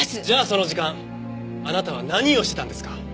じゃあその時間あなたは何をしてたんですか？